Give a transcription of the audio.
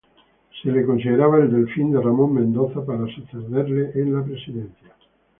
Se le consideraba el delfín de Ramón Mendoza para sucederle en la presidencia.